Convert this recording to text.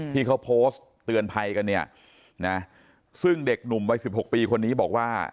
ที่เขาโพสต์เตือนภัยกันซึ่งเด็กหนุ่มวัย๑๖ปีคนนี้บอกว่า